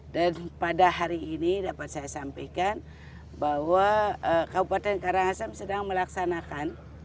dan pada hari ini dapat saya sampaikan bahwa kabupaten karangasem sedang melaksanakan